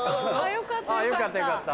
あよかったよかった。